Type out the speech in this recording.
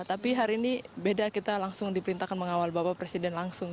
tapi hari ini beda kita langsung diperintahkan mengawal bapak presiden langsung